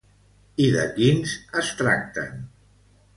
I de quins es tracten?